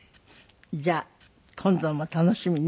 じゃあ今度も楽しみね。